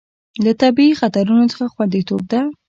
له طبیعي خطرونو څخه خوندیتوب ده.